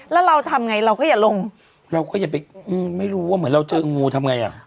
แล้วเราทำไงเราก็อย่าลงเราก็อย่าไปอืมไม่รู้ว่าเหมือนเราเจองูทำไงอ่ะ